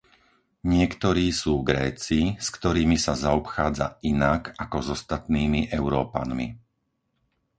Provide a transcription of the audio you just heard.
Niektorí sú Gréci, s ktorými sa zaobchádza inak ako s ostatnými Európanmi.